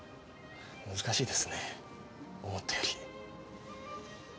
難しいですね思ったより。